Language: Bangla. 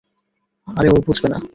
আরে ও বুঝবে না।